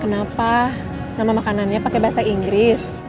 kenapa nama makanannya pakai bahasa inggris